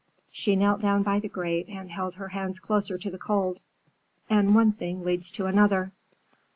She knelt down by the grate and held her hands closer to the coals. "And one thing leads to another."